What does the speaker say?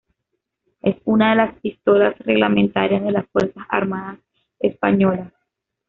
Es una de las pistolas reglamentarias de las Fuerzas Armadas Españolas.